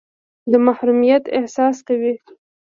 د محرومیت احساس کوئ.